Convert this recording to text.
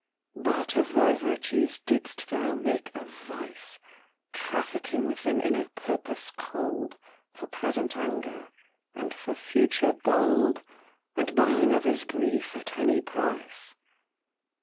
But of thy virtues didst thou make a vice, Trafficking with them in a purpose cold, For present anger, and for future gold And buying others' grief at any price.